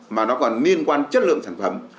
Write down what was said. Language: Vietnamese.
mà nó còn liên quan chất lượng sản phẩm